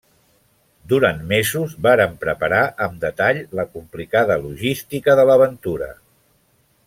Durant mesos varen preparar amb detall la complicada logística de l'aventura.